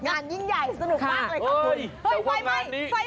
ยิ่งใหญ่สนุกมากเลยครับคุณ